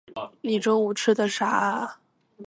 你中午吃的啥啊？